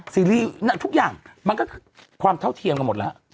ทุกอย่างมันก็คือความเท่าเทียมกันหมดแล้ว